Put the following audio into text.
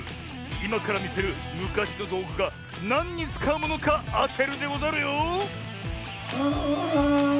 いまからみせるむかしのどうぐがなんにつかうものかあてるでござるよ。